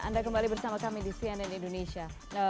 anda kembali bersama kami di cnn indonesia